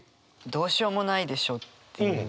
「どうしようもないでしょ」っていう。